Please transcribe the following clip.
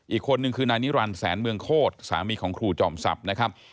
อีกคนนึงคือนายนิรันดิแสนเมืองโคตรสามีของครูจอมทรัพย์นะครับ